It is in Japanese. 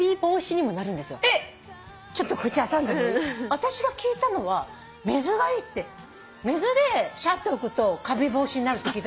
私が聞いたのは水がいいって水でシャって拭くとカビ防止になるって聞いた。